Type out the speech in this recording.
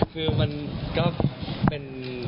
คือมันก็เป็น